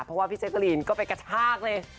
เพราะว่าพี่แจ๊กกะรีนก็ไปกระชากเลย